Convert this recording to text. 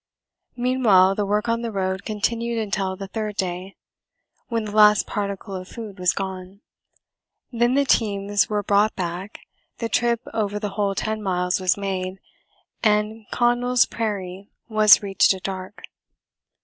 Meanwhile the work on the road continued until the third day, when the last particle of food was gone. Then the teams were brought back, the trip over the whole ten miles was made, and Connell's Prairie was reached at dark.